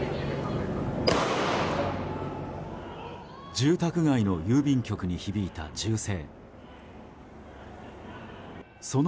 住宅街の郵便局に響いた銃声。